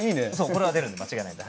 これは出るんで間違えないんで。